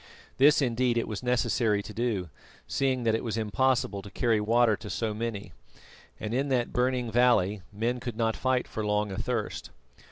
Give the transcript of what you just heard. This indeed it was necessary to do, seeing that it was impossible to carry water to so many, and in that burning valley men could not fight for long athirst.